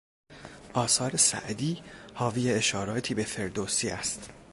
آثار سعدی حاوی اشاراتی به فردوسی است.